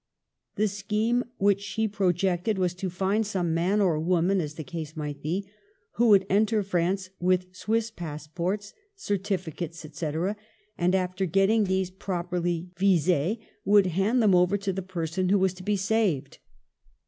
The scheme which she projected was to find some man or woman, as the case might be, who would enter France with Swiss passports, cer tificates, etc., and after getting these properly vis/s, would hand them over to the person who was to be saved.